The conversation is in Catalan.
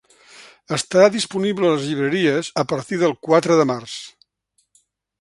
Estarà disponible a les llibreries a partir del quatre de març.